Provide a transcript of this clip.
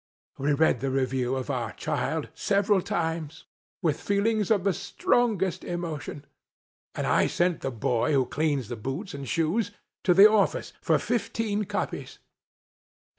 We read the review of our child, several times, with feelings of the strongest emotion ; and I sent the boy who cleans the boots and shoes, to the office, for fifteen copies.